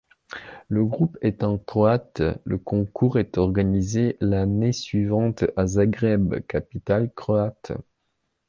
Le groupe étant croate, le concours est organisé l'année suivante à Zagreb, capitale croate.